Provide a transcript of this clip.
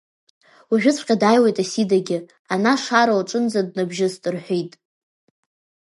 Уажәыҵәҟьа дааиуеит Асидагьы, ана Шара лҿынӡа днабжьыст, — рҳәеит…